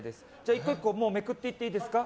１個１個めくっていっていいですか。